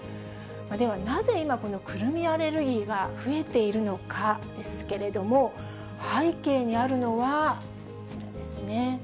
ではなぜ、今、このくるみアレルギーが増えているのかですけれども、背景にあるのはこちらですね。